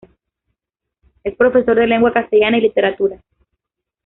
Es profesor de Lengua castellana y literatura.